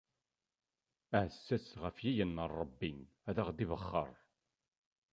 Aɛessas ɣef yinyen Ṛebbi ad aɣ-d-ibexxeṛ.